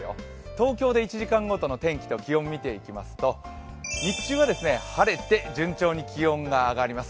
東京で１時間ごとの天気と気温を見ていきますと日中は晴れて順調に気温が上がります。